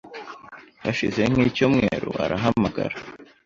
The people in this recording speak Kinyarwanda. hashize nk’ icyumweru arahamagara,